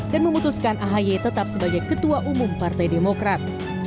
dan memutuskan ahy tetap sebagai ketua umum partai demokrat